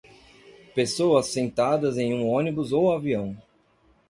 Pessoas sentadas em um ônibus ou avião.